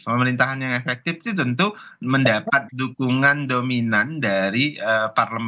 pemerintahan yang efektif itu tentu mendapat dukungan dominan dari parlemen